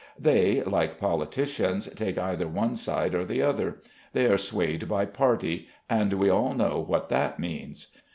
They (like politicians) take either one side or the other. They are swayed by party, and we all know what that means.